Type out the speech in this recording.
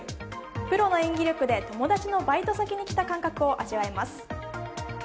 プロの演技力で友達のバイト先に来た感覚を味わえます。